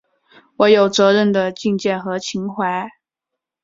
我有责任的境界和情怀